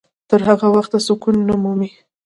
تر هغه وخته سکون نه مومي.